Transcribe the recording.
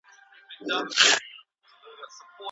د دوکتورا برنامه په اسانۍ سره نه منظوریږي.